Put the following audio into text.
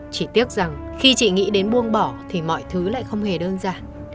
chỉ tiếc rằng khi chị nghĩ đến buông bỏ thì mọi thứ lại không hề đơn giản